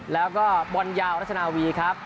แล้วก็บอลยาวรัชนาวีครับ